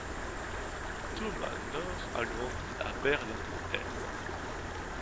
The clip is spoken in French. Thomas Nord a grandi à Berlin-Est.